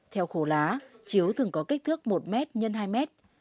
theo khổ lá chiếu thường có kích thước một m x hai m